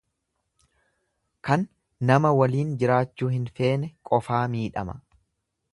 Kan nama waliin jiraachuu hin feene qofaa miidhama.